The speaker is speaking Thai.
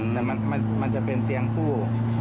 แต่มันจะเป็นเตียงสู้